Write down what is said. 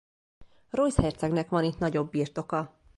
Reuss herczegnek van itt nagyobb birtoka.